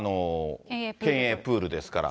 県営プールですから。